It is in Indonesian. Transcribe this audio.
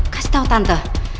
kasih tau tante